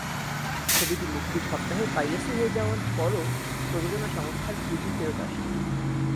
ছবিটি মুক্তির সপ্তাহে পাইরেসি হয়ে যাওয়ার পরও প্রযোজনা সংস্থার পুঁজি ফেরত আসে।